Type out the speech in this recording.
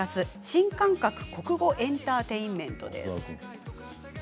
新感覚国語エンターテインメントです。